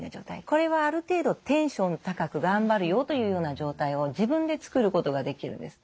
これはある程度テンション高く頑張るよというような状態を自分で作ることができるんです。